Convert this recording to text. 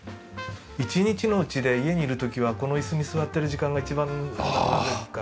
一日のうちで家にいる時はこの椅子に座ってる時間が一番長いかなと思ってます。